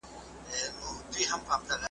ته به کچکول را ډکوې یو بل به نه پېژنو `